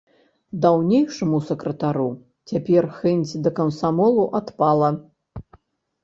Даўнейшаму сакратару цяпер хэнць да камсамолу адпала.